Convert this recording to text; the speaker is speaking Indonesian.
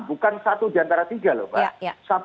bukan satu diantara tiga lho pak